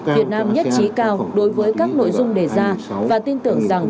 việt nam nhất trí cao đối với các nội dung đề ra và tin tưởng rằng